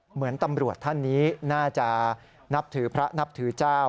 เหมือนตำรวจท่านนี้น่าจะนับถือพระนับถือเจ้า